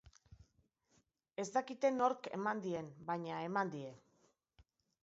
Ez dakite nork eman dien, baina eman die.